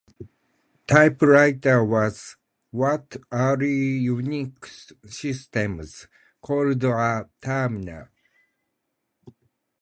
"Typewriter" was what early Unix systems called a terminal.